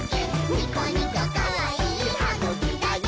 ニコニコかわいいはぐきだよ！」